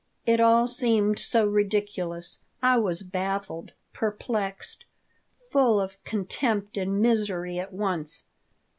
It all seemed so ridiculous. I was baffled, perplexed, full of contempt and misery at once.